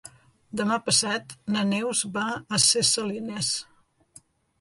Demà passat na Neus va a Ses Salines.